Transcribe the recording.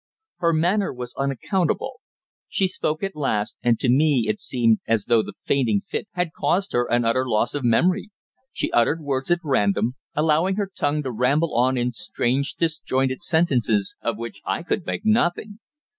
Her manner was unaccountable. She spoke at last, and to me it seemed as though the fainting fit had caused her an utter loss of memory. She uttered words at random, allowing her tongue to ramble on in strange disjointed sentences, of which I could make nothing.